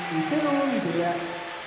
海部屋